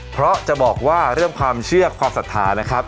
เพราะจะบอกว่าเรื่องความเชื่อความศรัทธานะครับ